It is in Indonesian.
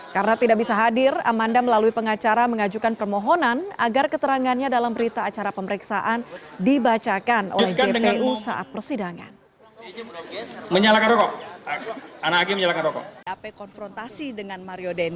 karena tidak bisa hadir amanda melalui pengacara mengajukan permohonan agar keterangannya dalam berita acara pemeriksaan dibacakan oleh jpu saat persidangan